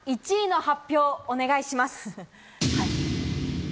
田辺さん１位の発表をお願いします。